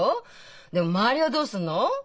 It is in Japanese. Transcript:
でも周りはどうするの？